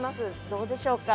どうでしょうか？